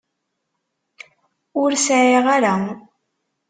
Ur sεiɣ ara.